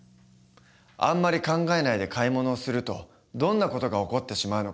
あんまり考えないで買い物をするとどんな事が起こってしまうのか。